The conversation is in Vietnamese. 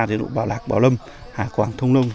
đều đủ bảo lạc bảo lâm hạ quảng thông lông